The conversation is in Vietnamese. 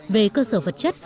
về cơ sở vật chất